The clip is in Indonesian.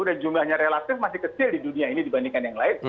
dan jumlahnya relatif masih kecil di dunia ini dibandingkan yang lain